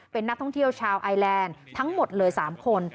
เป็นนักท่องเที่ยวชาวไอแลนด์ทั้งหมดเลย๓คน